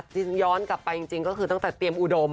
ที่ฉันย้อนกลับไปจริงก็คือตั้งแต่เตรียมอุดม